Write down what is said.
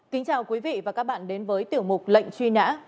kính chào quý vị và các bạn đến với tiểu mục lệnh truy nã